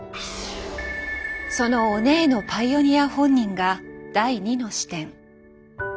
そのオネエのパイオニア本人が第２の視点。